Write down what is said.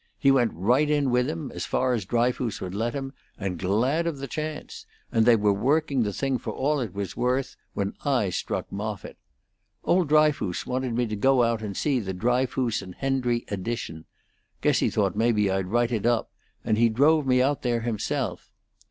He went right in with him, as far as Dryfoos would let him, and glad of the chance; and they were working the thing for all it was worth when I struck Moffitt. Old Dryfoos wanted me to go out and see the Dryfoos & Hendry Addition guess he thought maybe I'd write it up; and he drove me out there himself.